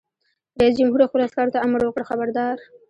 رئیس جمهور خپلو عسکرو ته امر وکړ؛ خبردار!